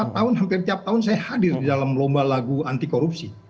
empat tahun hampir tiap tahun saya hadir di dalam lomba lagu anti korupsi